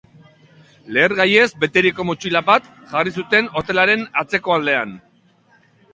Lehergaiez beteriko motxila bat jarri zuten hotelaren atzeko aldean.